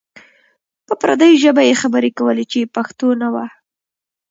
په پردۍ ژبه یې خبرې کولې چې پښتو نه وه.